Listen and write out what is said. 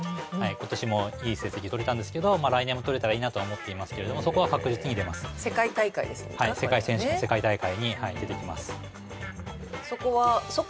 今年もいい成績とれたんですけど来年もとれたらいいなとは思っていますけれどもそこは世界大会ですか世界大会にはい出てきます